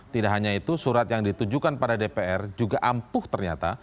tidak hanya itu surat yang ditujukan pada dpr juga ampuh ternyata